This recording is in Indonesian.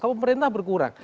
ke pemerintah berkurang